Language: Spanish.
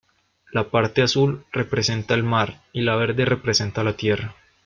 La parte azul representa el mar y la verde representa la tierra.